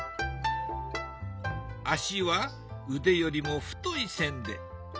足は腕よりも太い線で。